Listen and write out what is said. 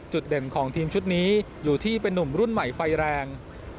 เด่นของทีมชุดนี้อยู่ที่เป็นนุ่มรุ่นใหม่ไฟแรง